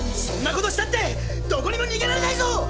そんなことしたってどこにもにげられないぞ！